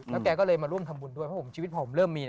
แล้วแกก็เลยมาร่วมทำบุญด้วยเพราะผมชีวิตผมเริ่มมี